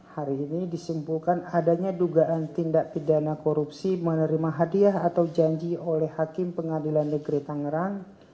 hari ini disimpulkan adanya dugaan tindak pidana korupsi menerima hadiah atau janji oleh hakim pengadilan negeri tangerang